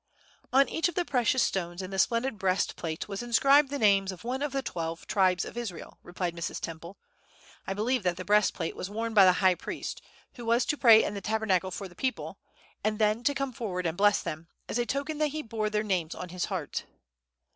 "On each of the precious stones in the splendid breastplate was inscribed the names of one of the twelve tribes of Israel," replied Mrs. Temple. "I believe that the breastplate was worn by the high priest, who was to pray in the Tabernacle for the people, and then to come forward and bless them, as a token that he bore their names on his heart."